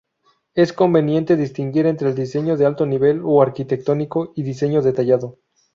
Es conveniente distinguir entre diseño de alto nivel o arquitectónico y diseño detallado.